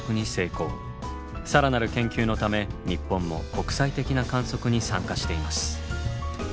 更なる研究のため日本も国際的な観測に参加しています。